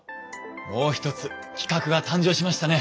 もう一つ企画が誕生しましたね！